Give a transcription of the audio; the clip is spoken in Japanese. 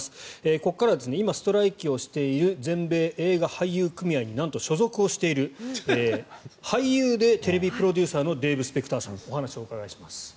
ここからは今、ストライキをしている全米映画俳優組合になんと所属をしている俳優でテレビプロデューサーのデーブ・スペクターさんにお話をお伺いします。